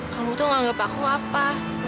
kamu tuh menganggap aku apa